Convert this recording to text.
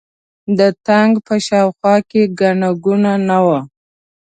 د تانک په شا او خوا کې ګڼه ګوڼه نه وه.